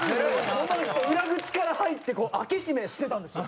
この人裏口から入ってこう開け閉めしてたんですよ。